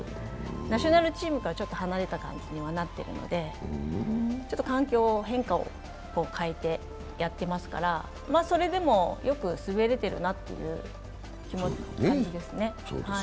ナショナルチームからちょっと離れた感じにはなってるので、環境を変えてやってますからそれでもよく滑れてるなというかんじですね。